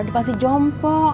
kita di panti jompo